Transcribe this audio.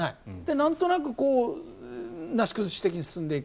なんとなくなし崩し的に進んでいく。